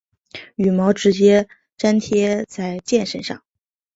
羽毛直接粘贴在箭身上。